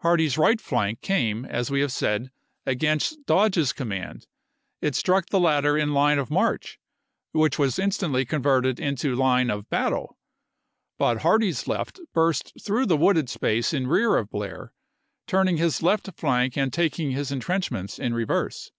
Hardee's right flank came, as we have said, against Dodge's command; it struck the latter in line of march, which was instantly converted into line of battle; but Hardee's left burst through the wooded space in rear of Blair, turning his left flank and tak ing his intrenchments in reverse.